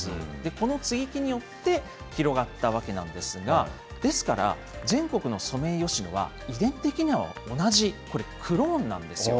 この接ぎ木によって広がったわけなんですが、全国のソメイヨシノは遺伝的には同じこれ、クローンなんですよ。